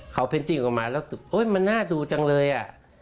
เขาเพนติ้งออกมาแล้วมันน่าดูจังเลยอ่ะ